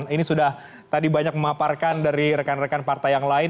ini sudah tadi banyak memaparkan dari rekan rekan partai yang lain